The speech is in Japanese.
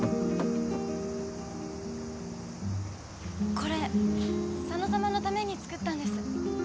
これ佐野さまのために作ったんです。